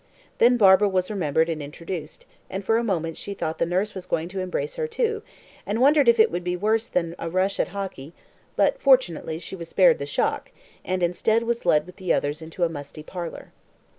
Then Barbara was remembered and introduced, and for a moment she thought the nurse was going to embrace her too, and wondered if it would be worse than a rush at hockey; but, fortunately, she was spared the shock, and instead, was led with the others into a musty parlour.